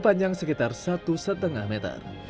panjang sekitar satu lima meter